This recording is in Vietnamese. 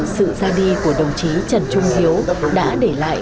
sự ra đi của đồng chí trần trung hiếu đã để lại